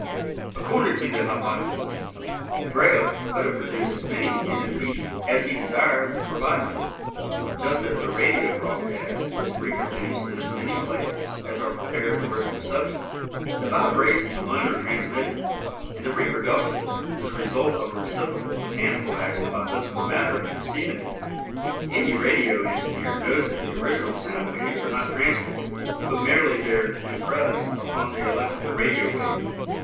According to the hypothesis, Drayle could have produced as many entities as he desired and provided for, just as a radio broadcast is reproduced in as many places as are prepared for its reception. The vibrations alone are transmitted, and the reproduction is the result of a reciprocal mechanical action by physical matter at the receiving end. Any radio engineer knows that the original sound waves are not transported, but merely their impress upon the electrical radio wave.